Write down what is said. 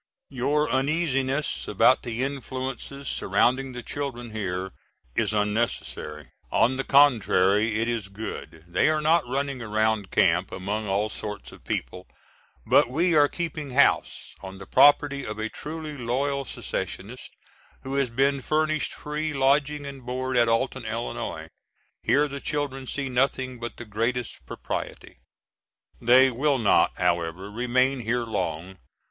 Your uneasiness about the influences surrounding the children here is unnecessary. On the contrary it is good. They are not running around camp among all sorts of people, but we are keeping house, on the property of a truly loyal secessionist who has been furnished free lodging and board at Alton, Illinois; here the children see nothing but the greatest propriety. They will not, however, remain here long.